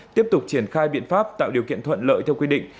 tiếp tục triển khai biện pháp tạo điều kiện thuận lợi theo quy định